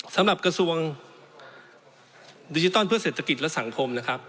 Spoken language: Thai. สำหรับกระทรวงดิจิทัลเพื่อเศรษฐกิจและสังคมนะครับ